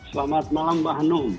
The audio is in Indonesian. selamat malam mbak hanum